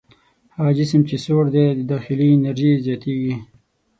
هغه جسم چې سوړ دی داخلي انرژي یې زیاتیږي.